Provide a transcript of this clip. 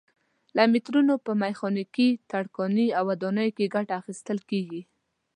له مترونو په میخانیکي، ترکاڼۍ او ودانیو کې ګټه اخیستل کېږي.